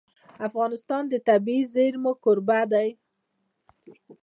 افغانستان د طبیعي زیرمې کوربه دی.